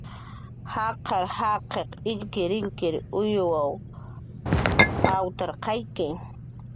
Jaqar jaqi illkirillkir uyw awtarqayki